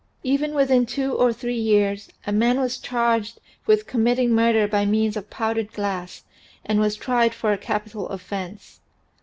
Even within two or three years a man was charged with committing murder by means of powdered glass and was tried for a capital offense.